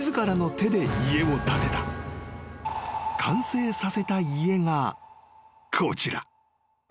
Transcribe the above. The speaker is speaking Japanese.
［完成させた家がこちら］